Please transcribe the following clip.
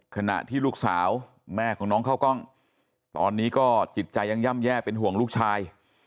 ขณะที่ลูกสาวแม่ของน้องเข้ากล้องตอนนี้ก็จิตใจยังย่ำแย่เป็นห่วงลูกชาย